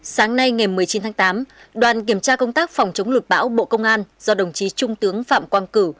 sáng nay ngày một mươi chín tháng tám đoàn kiểm tra công tác phòng chống lụt bão bộ công an do đồng chí trung tướng phạm quang cử